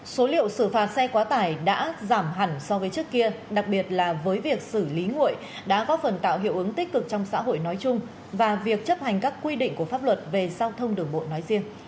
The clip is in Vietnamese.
số liệu xử phạt xe quá tải đã giảm hẳn so với trước kia đặc biệt là với việc xử lý nguội đã góp phần tạo hiệu ứng tích cực trong xã hội nói chung và việc chấp hành các quy định của pháp luật về giao thông đường bộ nói riêng